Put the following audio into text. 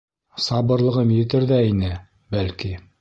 Сабырлығым етер ҙә ине, бәлки.